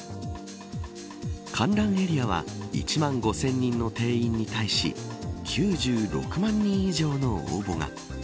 観覧エリアは１万５０００人の定員に対し９６万人以上の応募が。